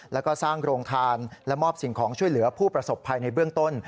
แล้วก็สร้างโรงทานและมอบสิ่งของช่วยเหลือผู้ประสบภัยในเบื้องต้น